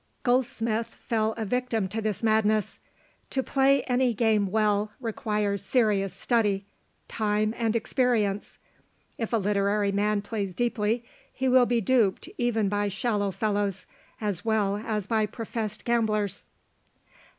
Goldsmith fell a victim to this madness. To play any game well requires serious study, time, and experience. If a literary man plays deeply, he will be duped even by shallow fellows, as well as by professed gamblers.